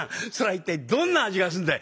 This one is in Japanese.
一体どんな味がすんだい？」。